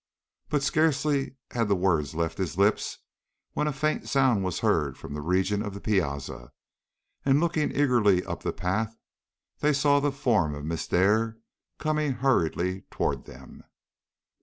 But scarcely had the words left his lips when a faint sound was heard from the region of the piazza, and looking eagerly up the path, they saw the form of Miss Dare coming hurriedly toward them.